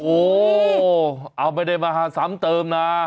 โอ้เอาไปได้มาสามเติมนะ